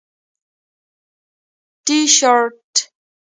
👕 تیشرت